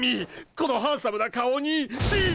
このハンサムな顔にシッ！